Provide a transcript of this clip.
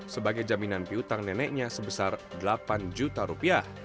sebagai jaminan piutang neneknya sebesar delapan juta rupiah